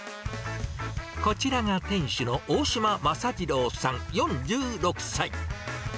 こちらが店主の大島政次郎さん４６歳。